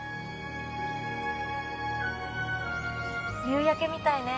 夕焼けみたいね？